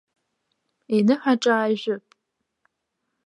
Иныҳәаҿа аажәып.